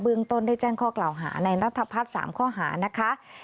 ต้นได้แจ้งข้อกล่าวหาในรัฐพัฒน์๓ข้อหานะคะ